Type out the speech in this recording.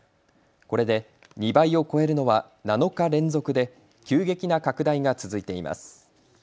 これで２倍を超えるのは７日連続で急激な拡大が続いています。